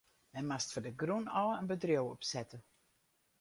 Men moast fan de grûn ôf in bedriuw opsette.